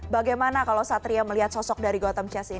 bagaimana kalau satria melihat sosok dari gotham chess ini